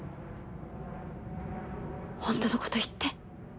本当の事言って。